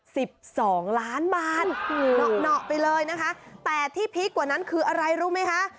สิบสองล้านบาทเหนาะไปเลยนะคะแต่ที่พีคกว่านั้นคืออะไรรู้ไหมคะ